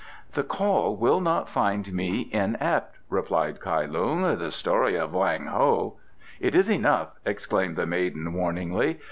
"The call will not find me inept," replied Kai Lung. "The story of Wang Ho " "It is enough," exclaimed the maiden warningly.